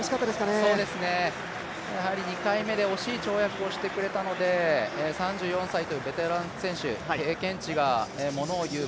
２回目で惜しい跳躍をしてくれたので３４歳というベテラン選手経験値がものをいう